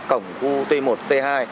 cổng khu t một t hai